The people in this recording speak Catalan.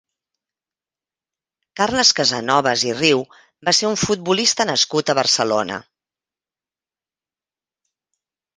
Carles Casanovas i Riu va ser un futbolista nascut a Barcelona.